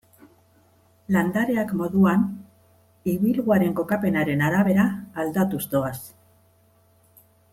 Landareak moduan, ibilguaren kokapenaren arabera, aldatuz doaz.